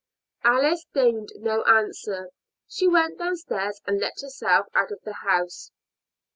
Alice deigned no answer. She went downstairs and let herself out of the house.